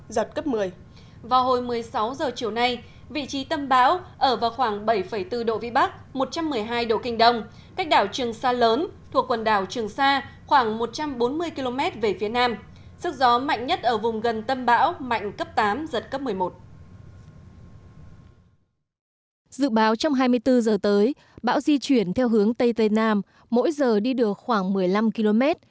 dự báo trong hai mươi bốn h tới bão di chuyển theo hướng tây tây nam mỗi giờ đi được khoảng một mươi năm km